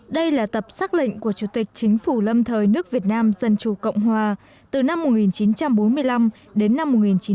đây là tập xác lệnh của chủ tịch chính phủ lâm thời nước việt nam dân chủ cộng hòa từ năm một nghìn chín trăm bốn mươi năm đến năm một nghìn chín trăm bảy mươi